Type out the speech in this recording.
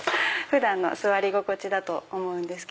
普段の座り心地だと思うんです。